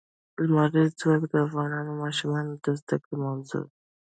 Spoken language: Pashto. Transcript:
لمریز ځواک د افغان ماشومانو د زده کړې موضوع ده.